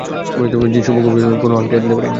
জ্বি, সৌভাগ্যবশত তেমন কোন আংটি আপনি পরেননি।